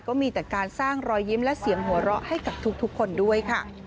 ก็มีแต่การสร้างรอยยิ้มและเสียงหัวเราะให้กับทุกคนด้วยค่ะ